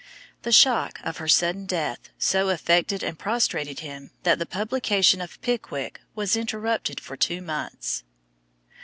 The shock of her sudden death so affected and prostrated him that the publication of "Pickwick" was interrupted for two months.